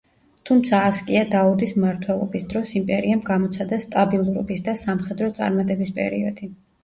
თუმცა ასკია დაუდის მმართველობის დროს, იმპერიამ გამოცადა სტაბილურობის და სამხედრო წარმატების პერიოდი.